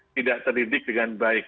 tidak terdidik dengan baik